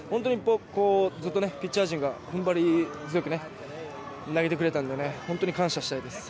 ずっとピッチャー陣が粘り強く投げてくれたので本当に感謝したいです。